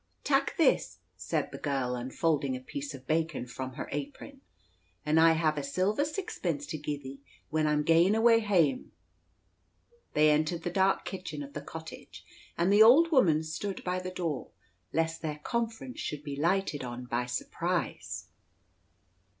"Tak this," said the girl, unfolding a piece of bacon from her apron, "and I hev a silver sixpence to gie thee, when I'm gaen away heyam." They entered the dark kitchen of the cottage, and the old woman stood by the door, lest their conference should be lighted on by surprise.